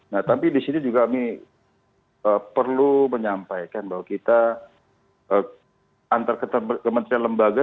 nah tapi di sini juga kami perlu menyampaikan bahwa kita antar kementerian lembaga